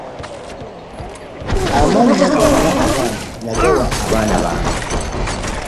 Amannya gonna agange nagawa abaana bange.